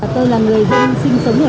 tôi là người dân sinh sống ở đây